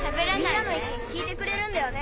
みんなの意見聞いてくれるんだよね？